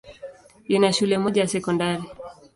Ina shule moja ya sekondari.